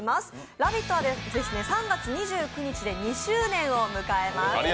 「ラヴィット！」は３月２９日で２周年を迎えます。